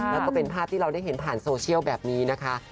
แล้วก็เป็นภาพที่เราได้เห็นผ่านโซเชียลแบบนี้นะคะ